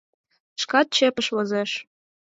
Шкат чепыш возеш.